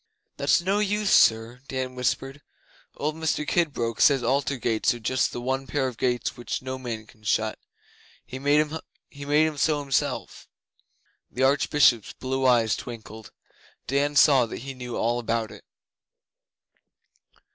'That's no use, sir,' Dan whispered. 'Old Mr Kidbrooke says Altar gates are just the one pair of gates which no man can shut. He made 'em so himself.' The Archbishop's blue eyes twinkled. Dan saw that he knew all about it.